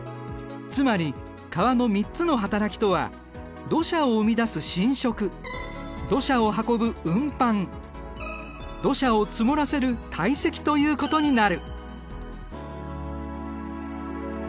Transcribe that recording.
つまり川の３つのはたらきとは土砂を生み出す侵食土砂を運ぶ運搬土砂を積もらせる堆積ということになる。